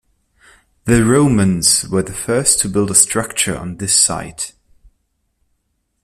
The Romans were the first to build a structure on this site.